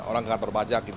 orang ke kantor pajak